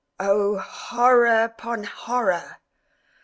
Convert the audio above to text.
Oh, horror upon horror!